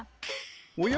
おや？